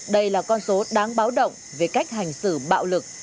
đây là con số đáng báo động về cách hành xử bạo lực